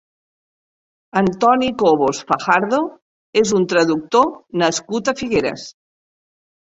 Antoni Cobos Fajardo és un traductor nascut a Figueres.